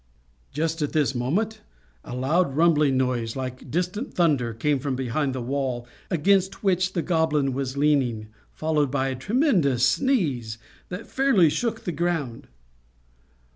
Just at this moment a loud, rumbling noise, like distant thunder, came from behind the wall against which the Goblin was leaning, followed by a tremendous sneeze, that fairly shook the ground.